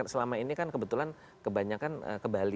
selama ini kan kebetulan kebanyakan ke bali